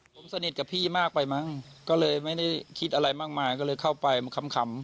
ผมสนิทกับพี่มากไปมั้งก็เลยไม่ได้คิดอะไรมากมายก็เลยเข้าไปขำ